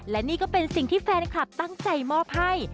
และนี่ก็เป็นสิ่งที่แฟนคลับตั้งใจมอบให้